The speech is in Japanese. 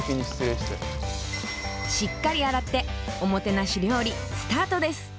しっかり洗っておもてなし料理スタートです！